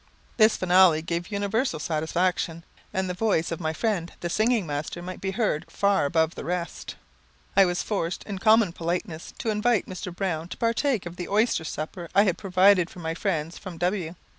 This finale gave universal satisfaction, and the voice of my friend the singing master might be heard far above the rest. I was forced, in common politeness, to invite Mr. Browne to partake of the oyster supper I had provided for my friends from W